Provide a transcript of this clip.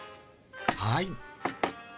はい。